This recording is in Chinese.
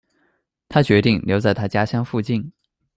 他决定留在他家乡附近。